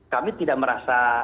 kami tidak merasa